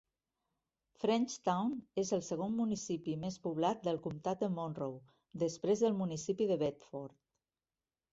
Frenchtown és el segon municipi més poblat del Comtat de Monroe després del municipi de Bedford.